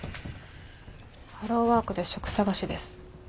ハローワークで職探しです。